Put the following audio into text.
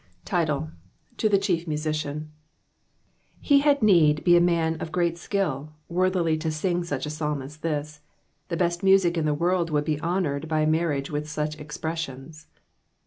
TiTLB. — ^To the Chief Masician.— ^e ?iad need he a man of great skiU, worlhUty to sing such a Psalm as (his : Vie best music in the world would be honoured by marriage with such expressions.